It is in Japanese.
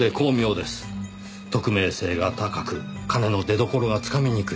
匿名性が高く金の出どころがつかみにくい。